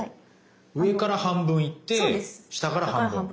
上から半分行って下から半分。